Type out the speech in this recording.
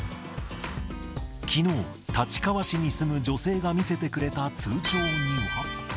きのう、立川市に住む女性が見せてくれた通帳には。